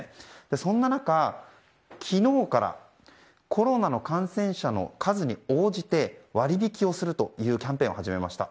そんな中、昨日からコロナの感染者の数に応じて割引をするキャンペーンを始めました。